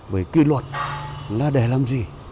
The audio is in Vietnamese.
vì kỷ luật là để làm gì